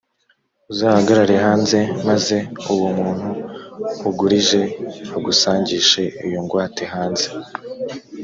uzahagarare hanze, maze uwo muntu ugurije agusangishe iyo ngwate hanze.